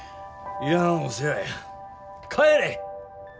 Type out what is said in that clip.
いらんお世話や帰れ！